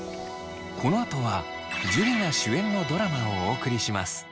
このあとは樹が主演のドラマをお送りします。